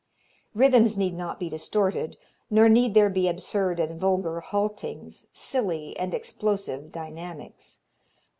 Rhythms need not be distorted, nor need there be absurd and vulgar haltings, silly and explosive dynamics.